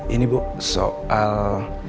ini bu soal